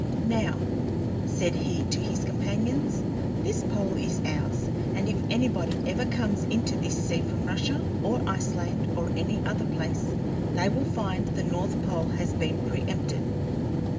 ] "Now," said he to his companions, "this pole is ours, and if anybody ever comes into this sea from Russia, or Iceland, or any other place, they will find the north pole has been pre empted."